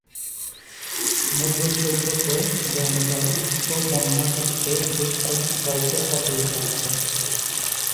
সমুদ্র সৈকতে যৌনতার উৎস বর্ণনা করতে বেশ কয়েকটি গল্প প্রচলিত আছে।